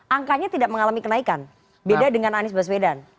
angkanya tidak mengalami kenaikan beda dengan anies baswedan